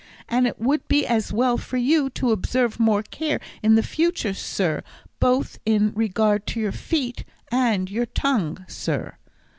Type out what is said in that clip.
And it would be as well for you to observe more care in the future, sir, both in regard to your feet, and your tongue, sir."